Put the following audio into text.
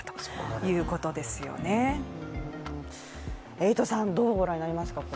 エイトさん、どうご覧になりますか？